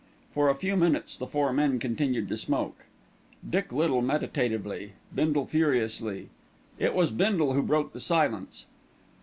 For a few minutes the four men continued to smoke, Dick Little meditatively, Bindle furiously. It was Bindle who broke the silence.